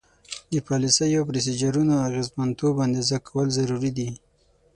د پالیسیو او پروسیجرونو اغیزمنتوب اندازه کول ضروري دي.